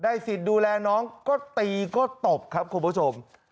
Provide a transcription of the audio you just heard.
ได้ศิษย์ดูแลน้องก็ตีก็ตบครับของผู้ผู้ชม